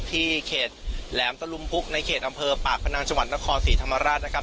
เขตแหลมตะลุมพุกในเขตอำเภอปากพนังจังหวัดนครศรีธรรมราชนะครับ